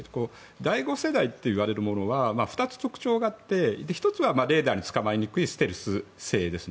第５世代といわれるものは２つ特徴があって１つは、レーダーで捕まえにくいステルス性ですね。